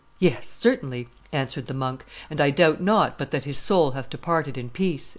"Yes, certainly," answered the monk, "and I doubt not but that his soul hath departed in peace."